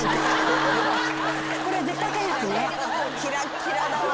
キラッキラだわぁ。